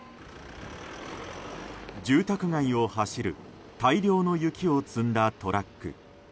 住宅街を走る大量の雪を積んだトラック。